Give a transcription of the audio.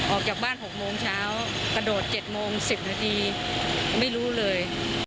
ออกจากบ้าน๖โมงเช้ากระโดด๗โมง๑๐นาทีไม่รู้เลย